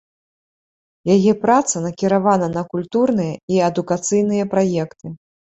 Яе праца накіравана на культурныя і адукацыйныя праекты.